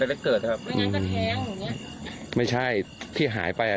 แล้วเกิดครับไม่งั้นก็แท้งอย่างเงี้ยไม่ใช่ที่หายไปอ่ะ